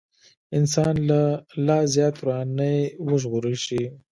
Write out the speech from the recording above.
انسان له لا زيات وراني وژغورل شي.